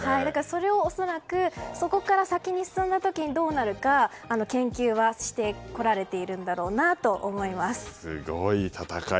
それを恐らくそこから先に進んだ時にどうなるか研究はしてこられているんすごい戦い。